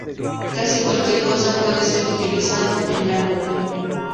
Casi cualquier cosa puede ser utilizado en la nube".